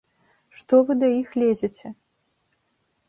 Што вы да іх лезеце?!